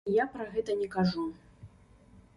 Я пра гэта не кажу.